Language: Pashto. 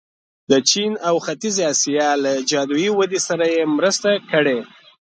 د چین او ختیځې اسیا له جادويي ودې سره یې مرسته کړې.